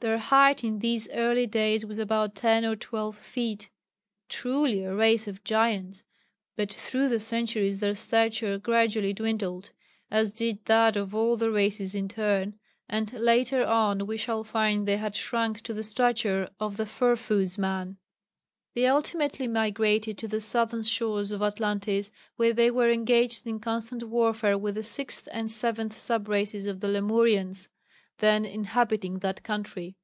Their height in these early days was about ten or twelve feet truly a race of giants but through the centuries their stature gradually dwindled, as did that of all the races in turn, and later on we shall find they had shrunk to the stature of the "Furfooz man." They ultimately migrated to the southern shores of Atlantis, where they were engaged in constant warfare with the sixth and seventh sub races of the Lemurians then inhabiting that country.